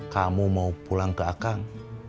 kamu mau pulang ke akar